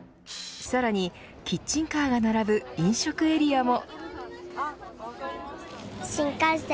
さらにキッチンカーが並ぶ飲食エリアも。